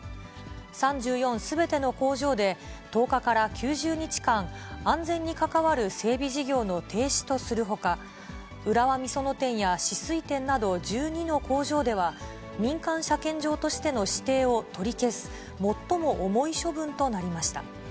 ３４すべての工場で１０日から９０日間、安全に関わる整備事業の停止とするほか、浦和美園店や酒々井店など１２の工場では、民間車検場としての指定を取り消す、最も重い処分となりました。